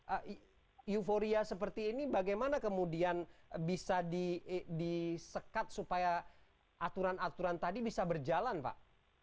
euforia seperti ini bagaimana kemudian bisa disekat supaya aturan aturan tadi bisa berjalan pak